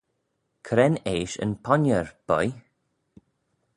Cre'n eash yn ponniar, boy?